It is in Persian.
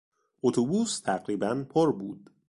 اتوبوس تقریبا پر بود.